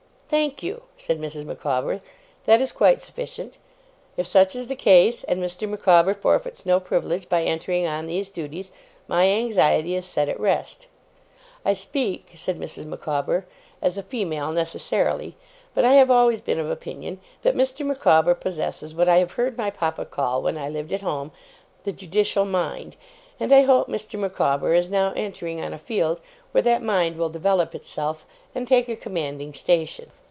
'Thank you,' said Mrs. Micawber. 'That is quite sufficient. If such is the case, and Mr. Micawber forfeits no privilege by entering on these duties, my anxiety is set at rest. I speak,' said Mrs. Micawber, 'as a female, necessarily; but I have always been of opinion that Mr. Micawber possesses what I have heard my papa call, when I lived at home, the judicial mind; and I hope Mr. Micawber is now entering on a field where that mind will develop itself, and take a commanding station.